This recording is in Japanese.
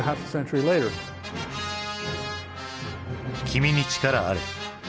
「君に力あれ」。